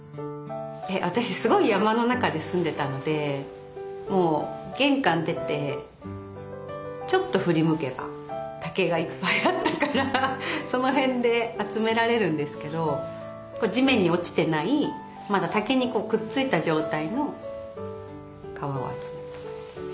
私すごい山の中で住んでたので玄関出てちょっと振り向けば竹がいっぱいあったからその辺で集められるんですけど地面に落ちてないまだ竹にくっついた状態の皮を集めていました。